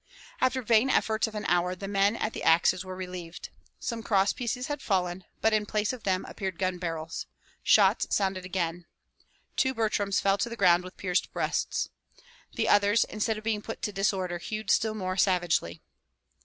After vain efforts of an hour the men at the axes were relieved. Some cross pieces had fallen, but in place of them appeared gun barrels. Shots sounded again. Two Butryms fell to the ground with pierced breasts. The others, instead of being put to disorder, hewed still more savagely.